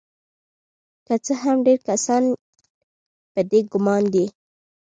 که څه هم چې ډیر کسان په دې ګمان دي